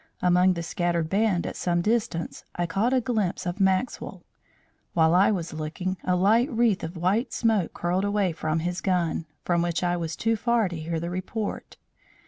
Among the scattered band at some distance, I caught a glimpse of Maxwell. While I was looking, a light wreath of white smoke curled away from his gun, from which I was too far to hear the report.